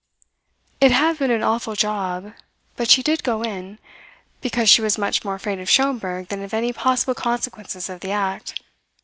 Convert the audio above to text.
It had been an awful job; but she did go in, because she was much more afraid of Schomberg than of any possible consequences of the act.